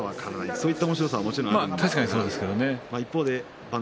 そういったおもしろさはもちろんあるんですけどね。